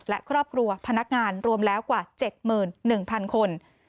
และครอบครัวพนักงานรวมแล้วกว่า๗๑๐๐๐คน